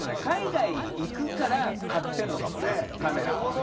海外行くから買ってんのかもねカメラを。